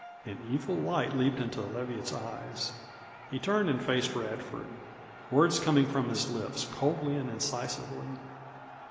An evil light leaped into Leviatt's eyes. He turned and faced Radford, words coming from his lips coldly and incisively.